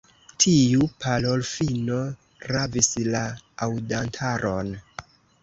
Tiu parolfino ravis la aŭdantaron.